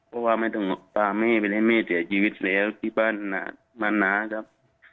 เพราะแม่ฝาตามั๊ยไปเลยแม่แสวชีวิตเสร็จในบ้านหนาครับ